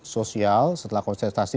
sosial setelah kontestasi